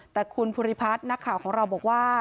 แต่คุณภูริพัฒน์นักข่าวของเราบอกว่า